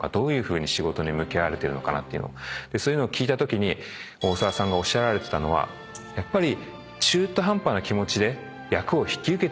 そういうのを聞いたときに大沢さんがおっしゃられたのはやっぱり。